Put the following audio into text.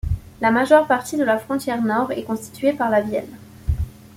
La majeure partie de la frontière nord est constituée par la Vienne.